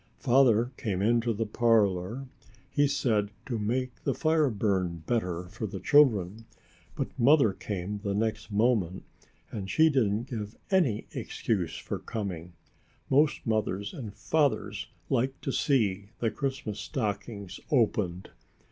Father came into the parlor, he said to make the fire burn better for the children, but Mother came the next moment, and she didn't give any excuse for coming. Most mothers and fathers like to see the Christmas stockings opened.